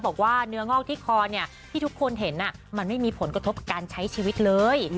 บอกว่าเนื้องอกที่คอเนี่ยที่ทุกคนเห็นมันไม่มีผลกระทบกับการใช้ชีวิตเลย